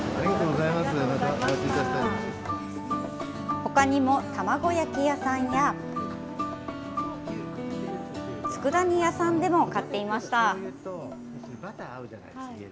ほかにも卵焼き屋さんや、つくだ煮屋さんでも買っていました。